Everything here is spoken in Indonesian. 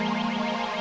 tunggu si citra